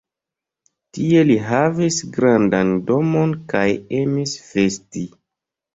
Tie li havis grandan domon kaj emis festi.